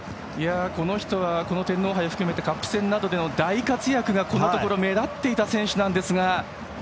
この人はこの天皇杯を含めてカップ戦での大活躍がこのところ目立っていた選手ですが。